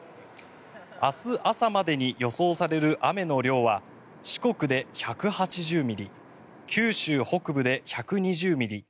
明日朝までに予想される雨の量は四国で１８０ミリ九州北部で１２０ミリ